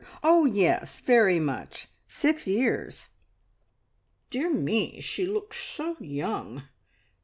Oh yes very much. Six years." "Dear me! She looks so young!